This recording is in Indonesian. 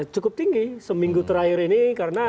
cukup tinggi seminggu terakhir ini karena